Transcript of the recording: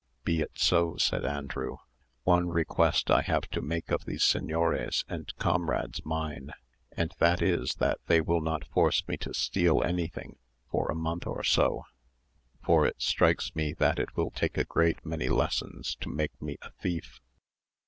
"Be it so," said Andrew. "One request I have to make of these señores and comrades mine, and that is that they will not force me to steal anything for a month or so; for it strikes me that it will take a great many lessons to make me a thief."